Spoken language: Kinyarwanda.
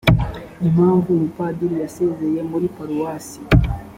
impamvu umupadiri yasezeye muri paruwasi